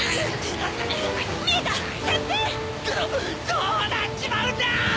どどうなっちまうんだ！？